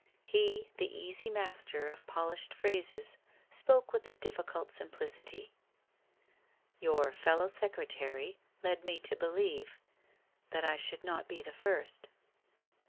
He, the easy master of polished phrases, spoke with a difficult simplicity. ' Your fellow secretary led me to believe — that I should not be the first.